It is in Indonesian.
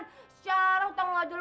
secara utang wajar